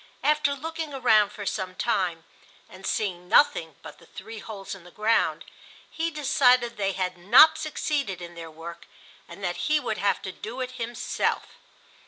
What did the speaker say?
After looking around for some time, and seeing nothing but the three holes in the ground, he decided that they had not succeeded in their work and that he would have to do it himself.